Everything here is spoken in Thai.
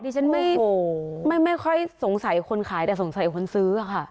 ดิฉันไม่ค่อยสงสัยคนขายแต่สงสัยคนซื้อค่ะ